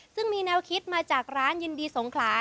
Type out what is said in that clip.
ซึ่งมีแนวคิดมาจากร้านยินดีสงขลา